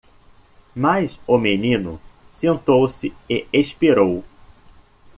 Mas o menino sentou-se e esperou.